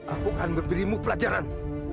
aku akan memberimu pelajaran